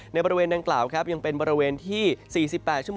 บริเวณดังกล่าวครับยังเป็นบริเวณที่๔๘ชั่ว